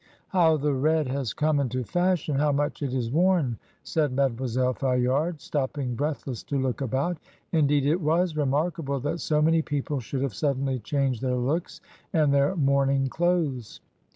"How the red has come into fashion; how much it is worn," said Mademoiselle Fayard, stopping, breathless, to look about. Indeed, it was remarkable that so many people should have suddenly changed their looks and their mourning clothes.